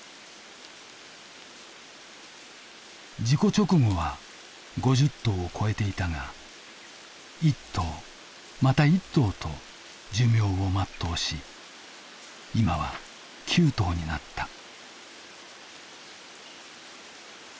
事故直後は５０頭を超えていたが一頭また一頭と寿命を全うし今は９頭になった。